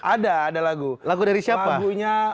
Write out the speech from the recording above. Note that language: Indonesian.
ada ada lagu lagu dari siapa bunya